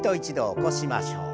起こしましょう。